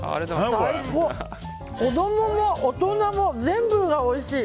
子供も大人も全部がおいしい！